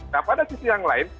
nah pada sisi yang lain